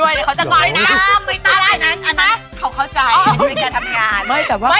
อยากอันติดใจเย็น